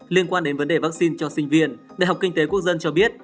liên quan đến vấn đề vaccine cho sinh viên đại học kinh tế quốc dân cho biết